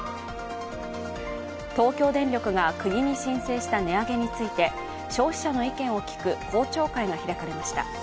東京電力が国に申請した値上げについて消費者の意見を聞く公聴会が開かれました。